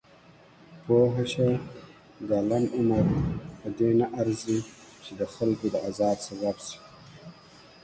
پوهه شه! دا لنډ عمر پدې نه ارزي چې دخلکو د ازار سبب شئ.